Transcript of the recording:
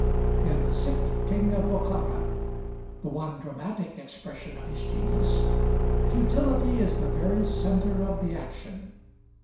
In 'The Sick King of Bokhara,' the one dramatic expression of his genius, futility is the very centre of the action.